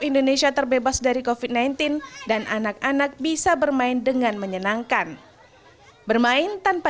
indonesia terbebas dari kofit sembilan belas dan anak anak bisa bermain dengan menyenangkan bermain tanpa